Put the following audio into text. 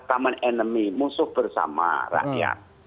common enemy musuh bersama rakyat